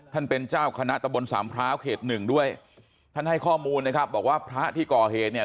ท่านเป็นเจ้าคณะตะบนสามพร้าวเขตหนึ่งด้วยท่านให้ข้อมูลนะครับบอกว่าพระที่ก่อเหตุเนี่ย